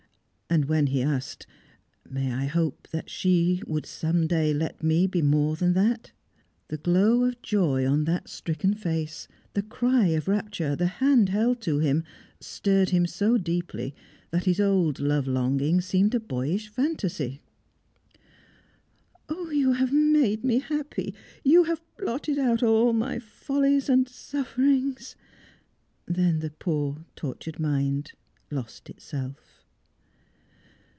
And when he asked, "May I hope that she would some day let me be more than that?" the glow of joy on that stricken face, the cry of rapture, the hand held to him, stirred him so deeply that his old love longing seemed a boyish fantasy. "Oh, you have made me happy! You have blotted out all my follies and sufferings!" Then the poor tortured mind lost itself.